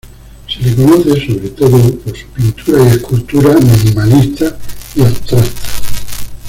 Se le conoce sobre todo por su pintura y escultura minimalista y abstracta.